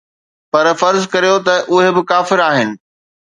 پر فرض ڪريو ته اهي به ڪافر آهن.